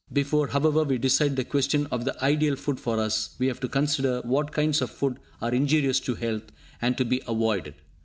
Before, however, we decide the question of the ideal food for us, we have to consider what kinds of food are injurious to health, and to be avoided.